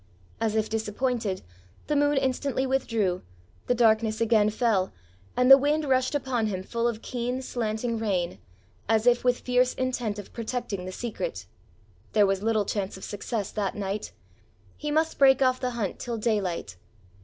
As if disappointed, the moon instantly withdrew, the darkness again fell, and the wind rushed upon him full of keen slanting rain, as if with fierce intent of protecting the secret: there was little chance of success that night! he must break off the hunt till daylight!